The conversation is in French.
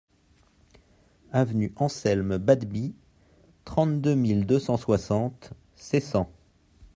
Avenue Anselme Batbie, trente-deux mille deux cent soixante Seissan